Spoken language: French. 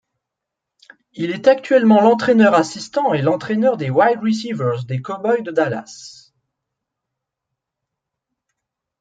Il est actuellement l'entraineur assistant et l'entraineur des wide receivers des Cowboys de Dallas.